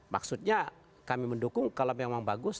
maksudnya kami mendukung kalau memang bagus